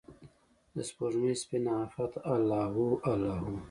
دسپوږمۍ سپینه عفته الله هو، الله هو